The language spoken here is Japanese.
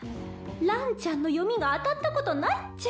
ランちゃんの読みが当たったことないっちゃ